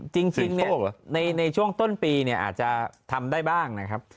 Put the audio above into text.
จริงเนี่ยในช่วงต้นปีเนี่ยอาจจะทำได้บ้างนะครับ